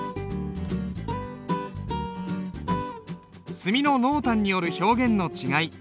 墨の濃淡による表現の違い